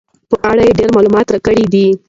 په اړه یې ډېر معلومات راکړي دي.